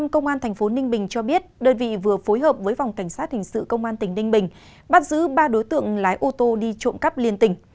công an tp ninh bình cho biết đơn vị vừa phối hợp với phòng cảnh sát hình sự công an tỉnh ninh bình bắt giữ ba đối tượng lái ô tô đi trộm cắp liên tỉnh